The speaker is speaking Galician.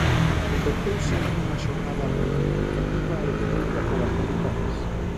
Converteuse nunha xornada reivindicativa e de loita polas liberdades.